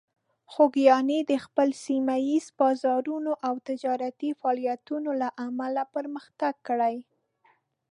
خوږیاڼي د خپل سیمه ییز بازارونو او تجارتي فعالیتونو له امله پرمختګ کړی.